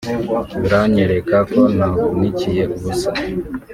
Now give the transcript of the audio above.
biranyereka ko ntavunikiye ubusa